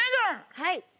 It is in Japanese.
はい。